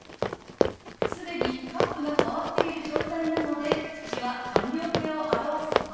既にカップが変わっている状態なので口は完了形を表す「パ」。